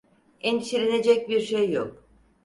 Endişelenecek bir şey yok.